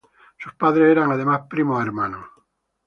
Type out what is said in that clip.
Sus padres eran además primos hermanos.